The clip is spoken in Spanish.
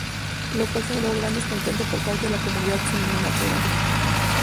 Lo cual genero gran descontento por parte de la comunidad cinematográfica.